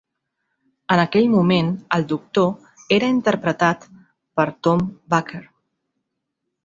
En aquell moment, el Doctor era interpretat per Tom Baker.